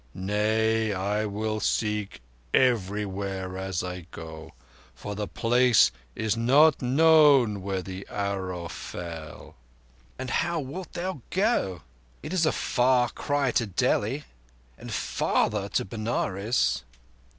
Nay, I will seek everywhere as I go—for the place is not known where the arrow fell." "And how wilt thou go? It is a far cry to Delhi, and farther to Benares."